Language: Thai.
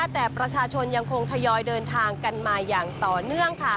แต่ประชาชนยังคงทยอยเดินทางกันมาอย่างต่อเนื่อง